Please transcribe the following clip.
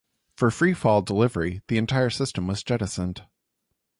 For free-fall delivery, the entire system was jettisoned.